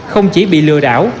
không chỉ bị lừa đảo